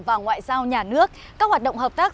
và ngoại giao nhà nước các hoạt động hợp tác